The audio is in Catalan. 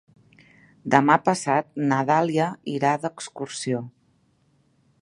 Demà passat na Dàlia irà d'excursió.